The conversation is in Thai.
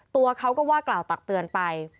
ตัวเขาก็ว่ากล่าวตักเตือนไป